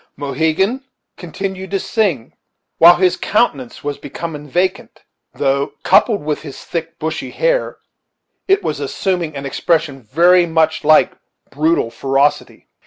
Mohegan continued to sing, while his countenance was becoming vacant, though, coupled with his thick, bushy hair, it was assuming an expression very much like brutal ferocity.